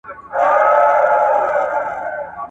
د وینا مهارت زده کول اړین دي.